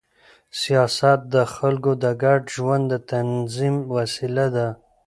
سیاست د خلکو د ګډ ژوند د تنظیم وسیله ده